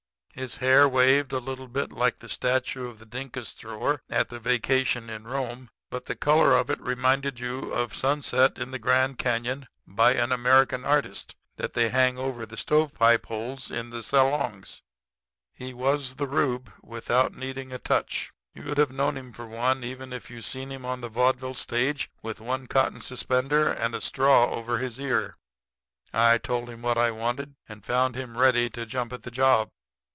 His hair waved a little bit like the statue of the dinkus thrower at the Vacation in Rome, but the color of it reminded you of the 'Sunset in the Grand Canon, by an American Artist,' that they hang over the stove pipe holes in the salongs. He was the Reub, without needing a touch. You'd have known him for one, even if you'd seen him on the vaudeville stage with one cotton suspender and a straw over his ear. "I told him what I wanted, and found him ready to jump at the job.